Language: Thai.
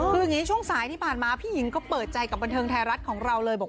คืออย่างนี้ช่วงสายที่ผ่านมาพี่หญิงก็เปิดใจกับบันเทิงไทยรัฐของเราเลยบอก